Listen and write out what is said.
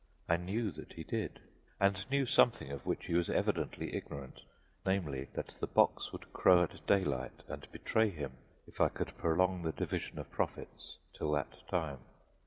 I knew that he did, and knew something of which he was evidently ignorant; namely, that the box would crow at daylight and betray him if I could prolong the division of profits till that time.